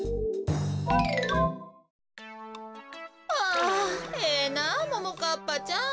あええなあももかっぱちゃん。